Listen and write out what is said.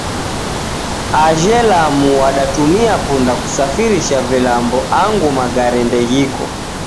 Ajhe Lamu w'adatumia punda kusafirisha vilambo angu magare ndeghiko